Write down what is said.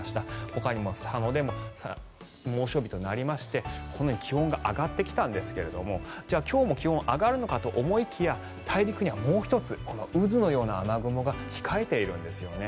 ほかにも佐野でも猛暑日となりましてこのように気温が上がってきたんですがじゃあ今日も気温上がるのかと思いきや大陸にはもう１つ渦のような雨雲が控えているんですよね。